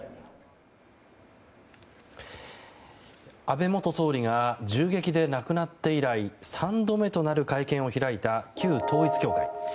安倍元総理が銃撃で亡くなって以来３度目となる会見を開いた旧統一教会。